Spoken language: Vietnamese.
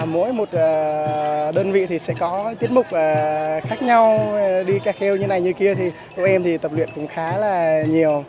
mỗi một đơn vị thì sẽ có tiết mục khác nhau đi cà phê như này như kia thì tụi em thì tập luyện cũng khá là nhiều